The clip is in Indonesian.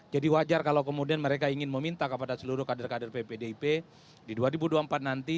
jadi wajar kalau kemudian mereka ingin meminta kepada seluruh kader kader pdip di dua ribu dua puluh empat nanti